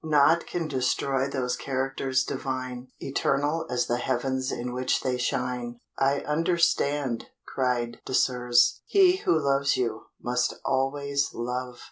Nought can destroy those characters divine, Eternal as the heavens in which they shine. "I understand," cried Désirs: "he who loves you, must always love!